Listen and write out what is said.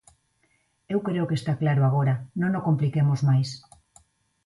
Eu creo que está claro agora, non o compliquemos máis.